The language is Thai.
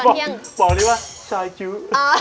บอกดีป่ะชายคิ้ว